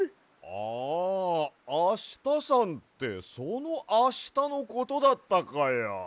ああしたさんってそのあしたのことだったかや。